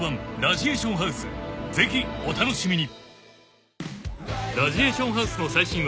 ［ぜひお楽しみに］